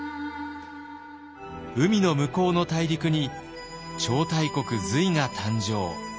海の向こうの大陸に超大国隋が誕生。